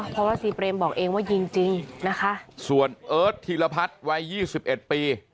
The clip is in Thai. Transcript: เพราะว่าซีเบรมบอกเองว่ายิงจริงนะคะส่วนเอิร์ทธิระพัดวัย๒๑ปี